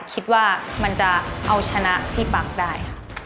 คิดว่ามันจะเอาชนะที่ปากได้